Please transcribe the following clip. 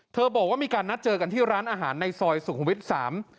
บอกว่ามีการนัดเจอกันที่ร้านอาหารในซอยสุขุมวิทย์สาม